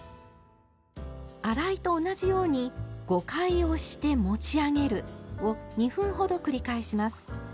洗いと同じように「５回押して持ち上げる」を２分ほど繰り返します。